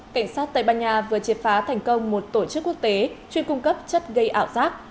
cảnh sát tây ban nha vừa triệt phá thành công một tổ chức quốc tế chuyên cung cấp chất gây ảo giác